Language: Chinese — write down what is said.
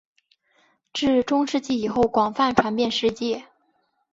至中世纪以后广泛传遍世界。